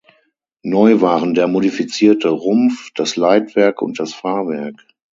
Neu waren der modifizierte Rumpf, das Leitwerk und das Fahrwerk.